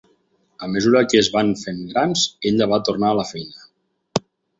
A mesura que es van fer grans, ella va tornar a la feina.